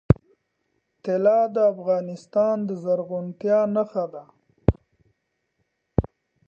طلا د افغانستان د زرغونتیا نښه ده.